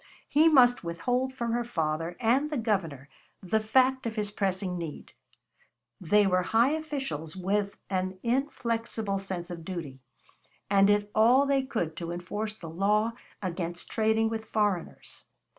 He must withhold from her father and the Governor the fact of his pressing need; they were high officials with an inflexible sense of duty, and did all they could to enforce the law against trading with foreigners.